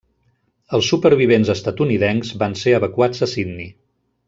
Els supervivents estatunidencs van ser evacuats a Sydney.